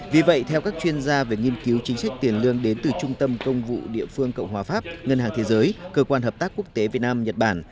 vì vậy theo các chuyên gia về nghiên cứu chính sách tiền lương đến từ trung tâm công vụ địa phương cộng hòa pháp ngân hàng thế giới cơ quan hợp tác quốc tế việt nam nhật bản